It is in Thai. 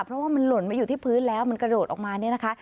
เพราะว่ามันหล่นมาอยู่ที่พื้นแล้วมันกระโดดออกมาเนี่ยนะคะ